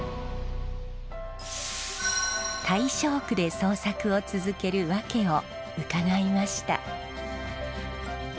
大正区で創作を続けるワケを伺いました。